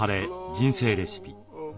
人生レシピ」。